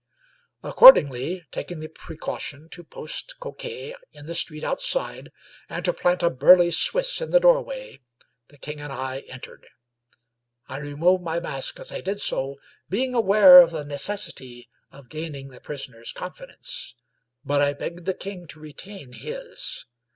Accordingly, taking the precaution to post Coquet in the street outside, and to plant a burly Swiss in the doorway, the king and I entered. I removed my mask as I did so, being aware of the necessity of gaining the prisoners' confidence, but I begged the king to retain his.